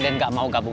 dan barang umpamu